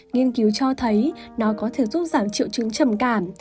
nghiên cứu cho thấy nó có thể giúp giảm triệu chứng trầm cảm